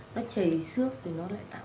nó chảy xước rồi nó lại tạo